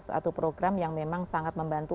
satu program yang memang sangat membantu